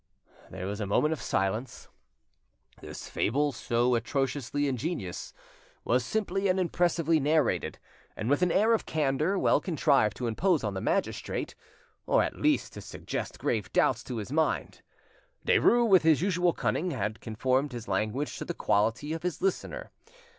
There was a moment of silence. This fable, so atrociously ingenious, was simply and impressively narrated, and with an air of candour well contrived to impose on the magistrate, or, at least, to suggest grave doubts to his mind. Derues, with his usual cunning, had conformed his language to the quality of his listener.